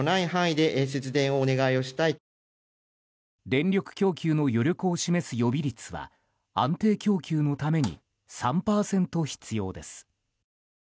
電力供給の余力を示す予備率は安定供給のために３％必要です。